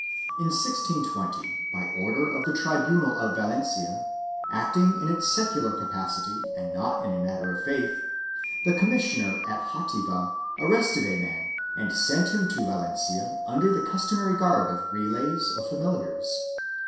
In 1620, by order of the tribunal of Valencia, acting in its secular capacity and not in a matter of faith, the commissioner at Jativa arrested a man and sent him to Valencia under the customary guard of relays of familiars.